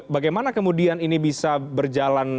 bagaimana kemudian ini bisa berjalan